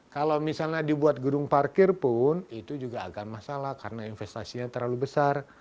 kalau misalnya dibuat gedung parkir pun itu juga agak masalah karena investasinya terlalu besar